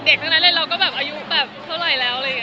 เด็กทั้งนั้นเลยเอายุไปเท่าไหร่แล้ว